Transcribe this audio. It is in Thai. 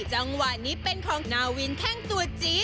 จังหวะนี้เป็นของนาวินแข้งตัวจี๊